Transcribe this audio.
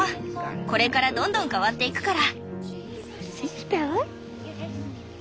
これからどんどん変わっていくから。